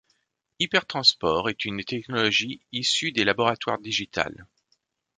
HyperTransport est une technologie issue des laboratoires Digital.